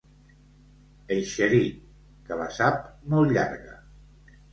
Eixerit, que la sap molt llarga.